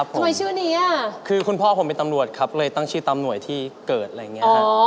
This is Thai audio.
ทำไมชื่อนี้อ่ะคือคุณพ่อผมเป็นตำรวจครับเลยตั้งชื่อตามหน่วยที่เกิดอะไรอย่างนี้ครับ